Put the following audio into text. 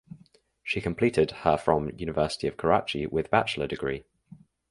She completed her from University of Karachi with Bachelor degree.